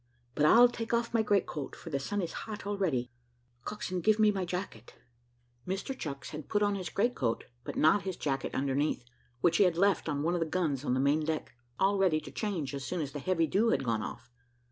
But I'll take off my great coat, for the sun is hot already. Coxswain, give me my jacket." Mr Chucks, had put on his great coat, but not his jacket underneath, which he had left on one of the guns on the main deck, all ready to change as soon as the heavy dew had gone off.